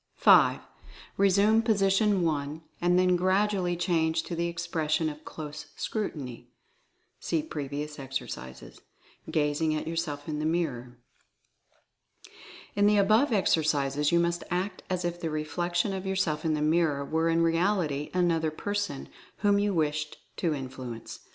5. Resume position 1, and then gradually change to the expression of Close Scrutiny (see previous ex ercises), gazing at yourself in the mirror. In the above exercises you must act as if the reflec tion of yourself in the mirror were in reality an other person whom you wished to influence.